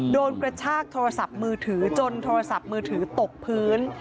กระชากโทรศัพท์มือถือจนโทรศัพท์มือถือตกพื้น